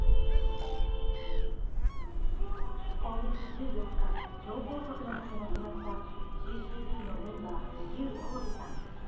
今月１４日、脳梗塞のため亡くなったＣ−Ｃ−Ｂのメンバー、笠浩二さん。